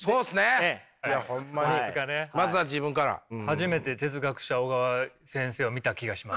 初めて哲学者小川先生を見た気がします。